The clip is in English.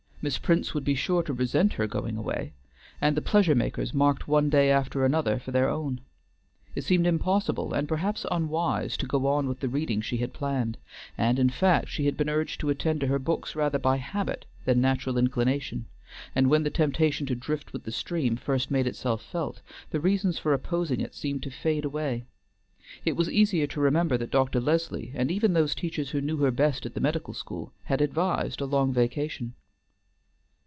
Miss Prince would be sure to resent her going away, and the pleasure makers marked one day after another for their own. It seemed impossible, and perhaps unwise, to go on with the reading she had planned, and, in fact, she had been urged to attend to her books rather by habit than natural inclination; and when the temptation to drift with the stream first made itself felt, the reasons for opposing it seemed to fade away. It was easier to remember that Dr. Leslie, and even those teachers who knew her best at the medical school, had advised a long vacation.